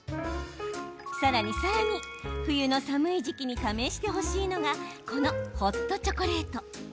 さらにさらに、冬の寒い時期に試してほしいのがこのホットチョコレート。